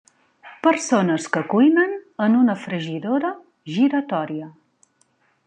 Persones que cuinen en una fregidora giratòria.